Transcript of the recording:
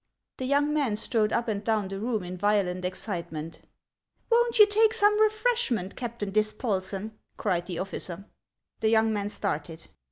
The young man strode up and down the room in violent excitement. " Won't you take some refreshment, Captain Dispolseii ?" cried the officer. The young man started.